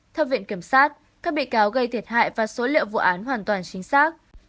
theo viện kiểm sát các bị cáo gây thiệt hại và số liệu vụ án hoàn toàn chính xác